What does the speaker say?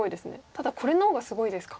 ただこれの方がすごいですか。